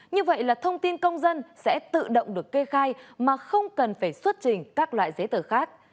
như vậy là thông tin công dân sẽ tự động được kê khai mà không cần phải xuất trình các loại giấy tờ khác